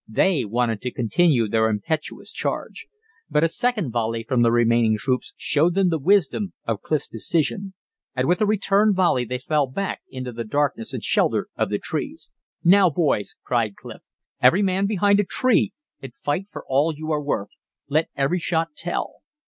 They wanted to continue their impetuous charge. But a second volley from the remaining troops showed them the wisdom of Clif's decision, and with a return volley they fell back into the darkness and shelter of the trees. "Now, boys," cried Clif, "every man behind a tree and fight for all you are worth. Let every shot tell."